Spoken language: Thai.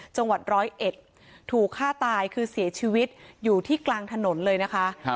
จังหวัดร้อยเอ็ดถูกฆ่าตายคือเสียชีวิตอยู่ที่กลางถนนเลยนะคะ